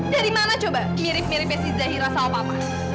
dari mana coba mirip miripnya si zahira sama papa